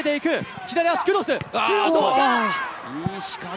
左足クロス。